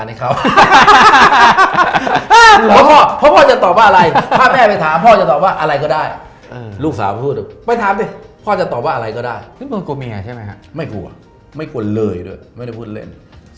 ไม่กลัวเลยด้วยไม่ได้พูดเล่น